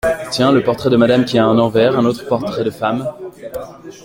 Tiens ! le portrait de Madame qui a un envers, un autre portrait de femme !